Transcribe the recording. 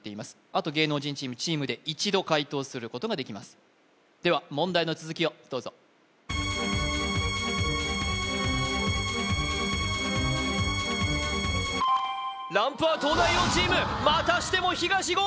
あと芸能人チームチームで一度解答することができますでは問題の続きをどうぞランプは東大王チームまたしても東言！